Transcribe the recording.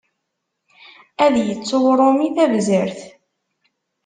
Ad ittu uṛumi tabzert.